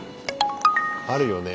あるよね。